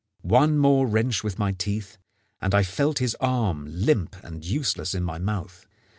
One more wrench with my teeth, and I felt his arm limp and useless in my mouth.